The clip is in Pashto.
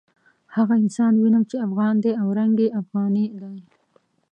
هغه انسان وینم چې افغان دی او رنګ یې افغاني دی.